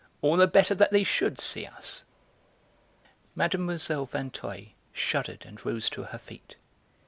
All the better that they should see us." Mlle. Vinteuil shuddered and rose to her feet.